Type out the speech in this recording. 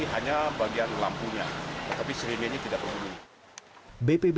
hanya bagian lampunya tapi seringnya ini tidak berfungsi